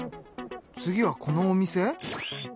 次はこのお店？